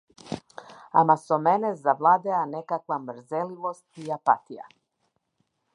Ама со мене завладеа некаква мрзеливост и апатија.